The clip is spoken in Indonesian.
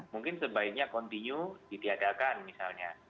mungkin sebaiknya continue ditiadakan misalnya